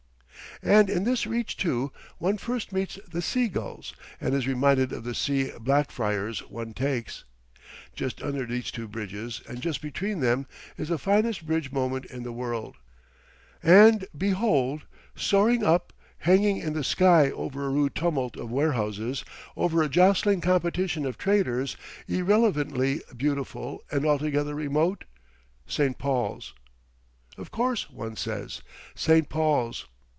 And in this reach, too, one first meets the seagulls and is reminded of the sea. Blackfriars one takes—just under these two bridges and just between them is the finest bridge moment in the world—and behold, soaring up, hanging in the sky over a rude tumult of warehouses, over a jostling competition of traders, irrelevantly beautiful and altogether remote, Saint Paul's! "Of course!" one says, "Saint Paul's!"